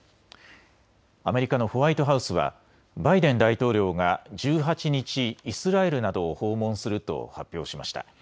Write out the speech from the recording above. アメリカのホワイトハウスはバイデン大統領が１８日、イスラエルなどを訪問すると発表しました。